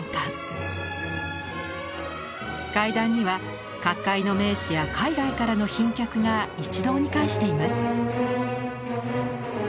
階段には各界の名士や海外からの賓客が一堂に会しています。